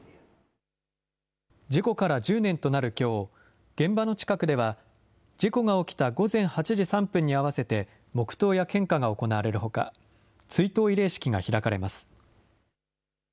事故から１０年となるきょう、現場の近くでは事故が起きた午前８時３分に合わせて黙とうや献花が行われるほか、追悼慰霊式が開かれます。